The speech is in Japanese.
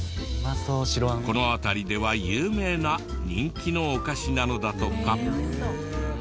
この辺りでは有名な人気のお菓子なのだとか。